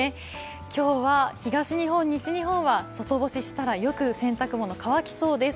今日は東日本、西日本は外干ししたらよく洗濯物が乾きそうです。